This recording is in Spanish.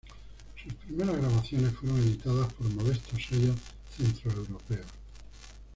Sus primeras grabaciones fueron editadas por modestos sellos centroeuropeos.